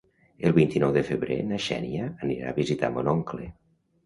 El vint-i-nou de febrer na Xènia anirà a visitar mon oncle.